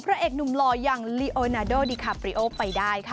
พระเอกหนุ่มหล่ออย่างลีโอนาโดดิคาปริโอไปได้ค่ะ